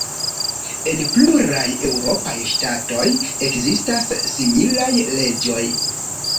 En pluraj eŭropaj ŝtatoj ekzistas similaj leĝoj.